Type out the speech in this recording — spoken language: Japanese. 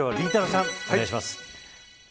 さんお願いします。